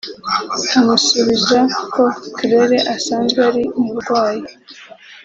amusubiza ko Claire asanzwe azi umurwayi